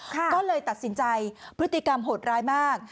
ก็เลยตัดสินใจพฤติกรรมโหดร้ายมาก